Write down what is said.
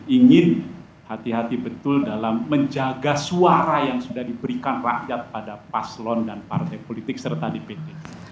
ingin hati hati betul dalam menjaga suara yang sudah diberikan rakyat pada paslon dan partai politik serta dpt